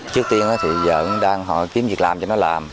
trước tiên thì giờ cũng đang họ kiếm việc làm cho nó làm